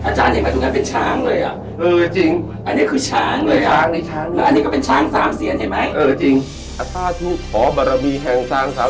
ดูนี่เห็นมั้ยเหมือนช้าง